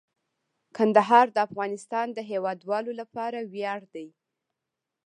کندهار د افغانستان د هیوادوالو لپاره ویاړ دی.